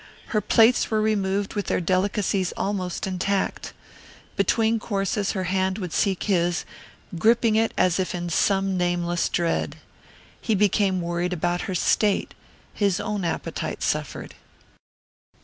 Her plates were removed with their delicacies almost intact. Between courses her hand would seek his, gripping it as if in some nameless dread. He became worried about her state; his own appetite suffered.